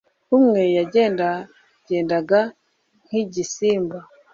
Umwe yagendagendaga nkigisimba